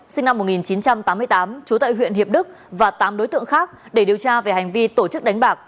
sinh năm một nghìn chín trăm tám mươi tám trú tại huyện hiệp đức và tám đối tượng khác để điều tra về hành vi tổ chức đánh bạc